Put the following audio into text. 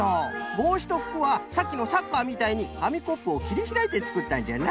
ぼうしとふくはさっきのサッカーみたいにかみコップをきりひらいてつくったんじゃな。